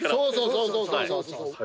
そうそうそうそう！